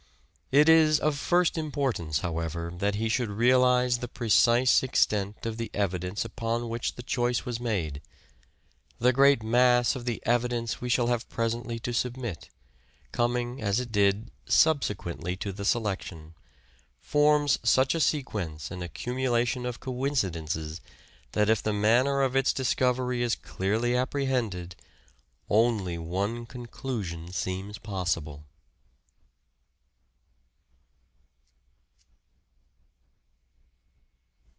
It is of first importance, however, that he should realize the precise extent of the evidence upon which the choice was made ; the great mass of the evidence we shall have presently to submit, coming as it did subsequently to the selection, forms such a sequence and accumulation of coinci dences, that if the manner of its discovery is clearly apprehended, only one conclusion seems possible.